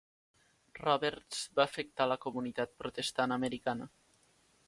Roberts va afectar la comunitat protestant americana.